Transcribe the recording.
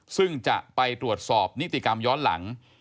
ซึ่งจะไปตรวจสอบนิติกรรมย้อนหลัง